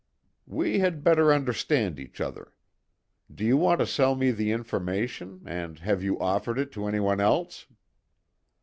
"We had better understand each other. Do you want to sell me the information, and have you offered it to anyone else?"